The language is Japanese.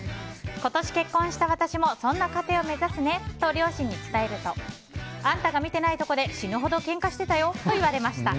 今年結婚した私もそんな家庭を目指すねと両親に伝えるとあんたが見ていないところで死ぬほどけんかしてたよと言われました。